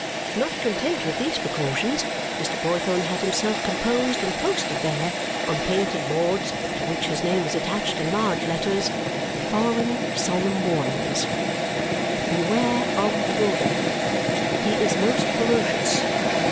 Not content with these precautions, Mr. Boythorn had himself composed and posted there, on painted boards to which his name was attached in large letters, the following solemn warnings: "Beware of the bull dog. He is most ferocious.